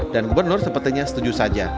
dan gubernur sepertinya setuju saja